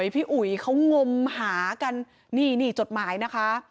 พี่อุ๋ยเขางมหากันนี่จดหมายนะคะ